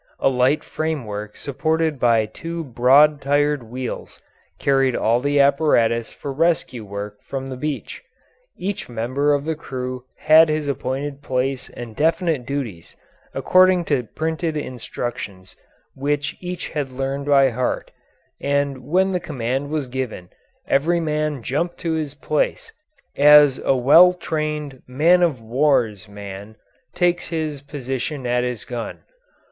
A light framework supported by two broad tired wheels carried all the apparatus for rescue work from the beach. Each member of the crew had his appointed place and definite duties, according to printed instructions which each had learned by heart, and when the command was given every man jumped to his place as a well trained man of war's man takes his position at his gun.